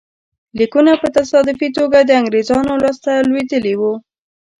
لیکونه په تصادفي توګه د انګرېزانو لاسته لوېدلي وو.